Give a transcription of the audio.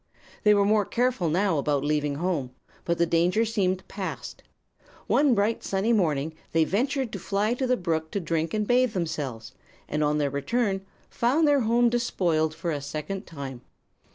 "They were more careful now about leaving home; but the danger seemed past. One bright, sunny morning they ventured to fly to the brook to drink and bathe themselves, and on their return found their home despoiled for a second time.